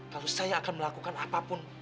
kalau saya akan melakukan apapun